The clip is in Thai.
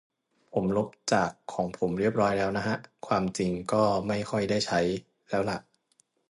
ผมลบจากของผมเรียบแล้วนะฮะ ความจริงก็ไม่ค่อยได้ใช้ แล้วล่ะ